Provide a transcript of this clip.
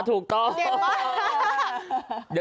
รูปอะไร